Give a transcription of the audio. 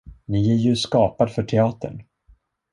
Ni är ju skapad för teatern.